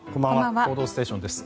「報道ステーション」です。